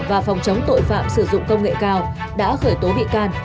và phòng chống tội phạm sử dụng công nghệ cao đã khởi tố bị can